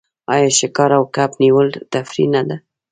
آیا ښکار او کب نیول تفریح نه ده؟